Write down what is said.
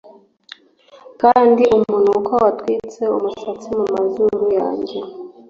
kandi umunuko watwitse umusatsi mumazuru yanjye